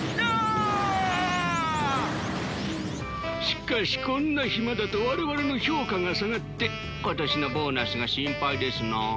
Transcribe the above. しかしこんな暇だと我々の評価が下がって今年のボーナスが心配ですな。